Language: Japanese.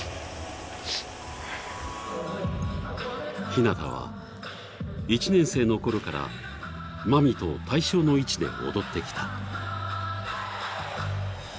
ひなたは１年生のころからまみと対象の位置で踊ってきた。